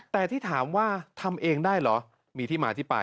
แต่ที่ถามว่าทำเองได้เหรอมีที่มาที่ไป